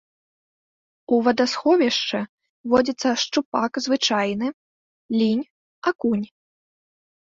У вадасховішчы водзяцца шчупак звычайны, лінь, акунь.